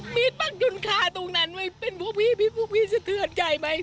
มีปักจนคาตรงนั้นเป็นพวกพี่พี่สะเทือนใจไหม